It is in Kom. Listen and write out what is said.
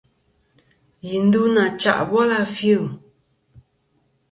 Yi ndu nà chya bòl a fil.